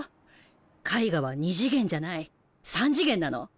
絵画は二次元じゃない三次元なの。